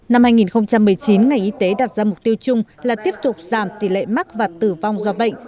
năm hai nghìn một mươi chín ngành y tế đặt ra mục tiêu chung là tiếp tục giảm tỷ lệ mắc và tử vong do bệnh